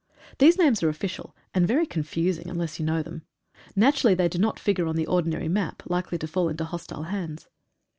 These names are official, and very con fusing unless you know them. Naturally they do not figure on the ordinary map likely to fall into hostile hands.